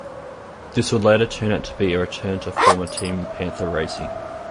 This would later turn out to be a return to former team Panther Racing.